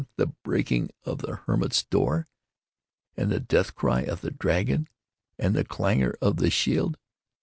—the breaking of the hermit's door, and the death cry of the dragon, and the clangor of the shield!